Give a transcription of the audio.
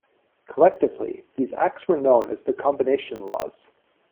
Collectively these acts were known as the Combination Laws.